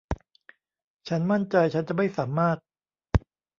ฉันมั่นใจฉันจะไม่สามารถ